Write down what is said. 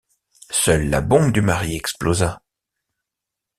Seule la bombe du mari explosa.